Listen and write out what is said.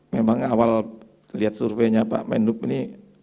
memang awal lihat surveinya pak menhub ini